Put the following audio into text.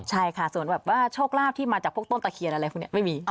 ใช่ค่ะส่วนแบบว่าโชคลาภที่มาจากพวกต้นตะเคียนอะไรพวกนี้ไม่มี